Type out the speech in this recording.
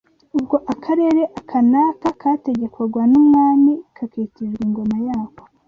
ubwo akarere aka n’aka kategekwaga n’Umwami kakitirirwa ingoma yako